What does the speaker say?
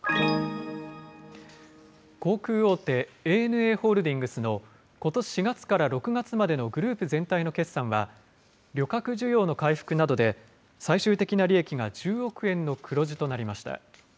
航空大手、ＡＮＡホールディングスのことし４月から６月までのグループ全体の決算は、旅客需要の回復などで最終的な利益が１０億円の黒字となりました。